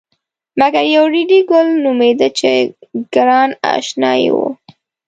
مګر یو ریډي ګل نومېده چې ګران اشنای و.